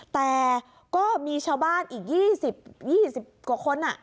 แต่ก็มีชาวบ้านอีก๒๐๒๐กว่าคน